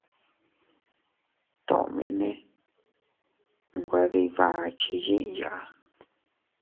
Tomene nwe dii bakchi yiʼya.